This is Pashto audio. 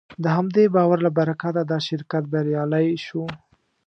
د همدې باور له برکته دا شرکت بریالی شو.